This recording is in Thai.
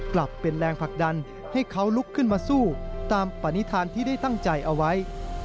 กลับเป็นแรงผลักดันให้เขาลุกขึ้นมาสู้ตามปณิธานที่ได้ตั้งใจเอาไว้